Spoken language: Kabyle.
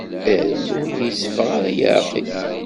Arem ur k-yetteffeɣ ara leɛqel.